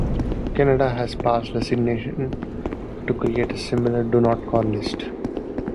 Canada has passed legislation to create a similar Do Not Call List.